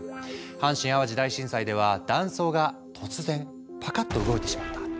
阪神・淡路大震災では断層が突然パカッと動いてしまった。